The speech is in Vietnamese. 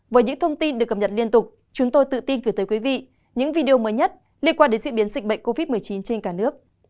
với những thông tin được cập nhật liên tục chúng tôi tự tin gửi tới quý vị những video mới nhất liên quan đến diễn biến dịch bệnh covid một mươi chín trên cả nước